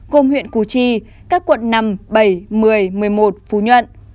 gồm huyện củ chi các quận năm bảy một mươi một mươi một phú nhuận